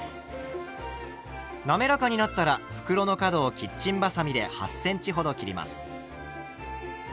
滑らかになったら袋の角をキッチンばさみで８ｃｍほど切ります。